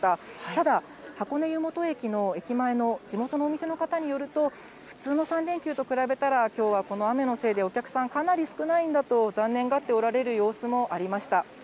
ただ、箱根湯本駅の駅前の、地元のお店の方によると、普通の３連休と比べたら、きょうはこの雨のせいで、お客さんかなり少ないんだと、残念がっておられる様子もありました。